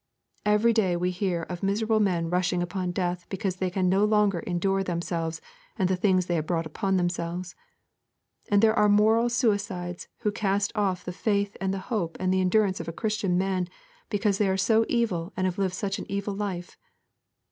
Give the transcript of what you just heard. Every day we hear of miserable men rushing upon death because they can no longer endure themselves and the things they have brought on themselves. And there are moral suicides who cast off the faith and the hope and the endurance of a Christian man because they are so evil and have lived such an evil life.